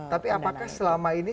tapi apakah selama ini